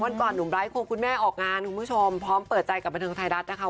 วันก่อนหนุ่มไร้ควงคุณแม่ออกงานคุณผู้ชมพร้อมเปิดใจกับบันเทิงไทยรัฐนะคะ